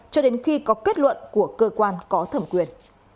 cho đến khi có kết luận của cơ quan có thẩm quyền